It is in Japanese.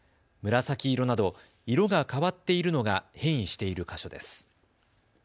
紫色など色が変わっているのが変異している箇所です。